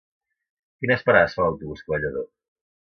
Quines parades fa l'autobús que va a Lladó?